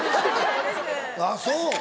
あっそう！